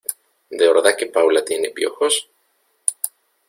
¿De verdad que Paula tiene piojos?